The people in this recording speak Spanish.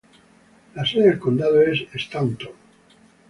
La sede de condado es Staunton.